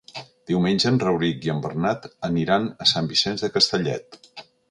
Diumenge en Rauric i en Bernat aniran a Sant Vicenç de Castellet.